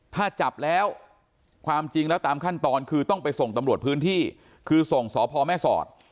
ถ้าจับแล้วความจริงแล้วตามขั้นตอนคือต้องไปส่งตำรวจพื้นที่คือส่งสพแม่สอด